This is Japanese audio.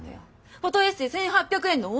フォトエッセー１，８００円の女なの。